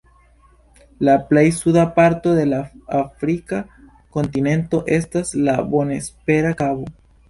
La plej suda parto de la Afrika kontinento estas la Bonespera Kabo.